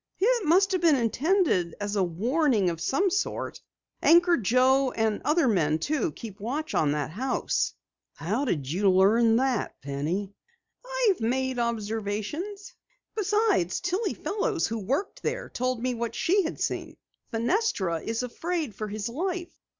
"It must have been intended as a warning of some sort. Anchor Joe, and other men, too, keep watch of the house." "How did you learn that, Penny?" "I've made observations. Besides, Tillie Fellows, who worked there, told me what she had seen. Fenestra is afraid for his life."